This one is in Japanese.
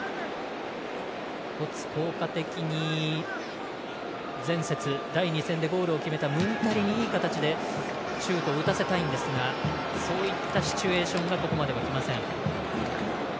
一つ、効果的に前節、第２戦でゴールを決めたムンタリにいい形でシュートを打たせたいんですがそういったシチュエーションはここまでは、きません。